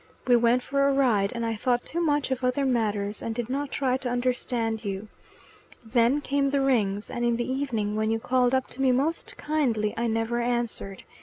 We went for a ride, and I thought too much of other matters, and did not try to understand you. Then came the Rings, and in the evening, when you called up to me most kindly, I never answered.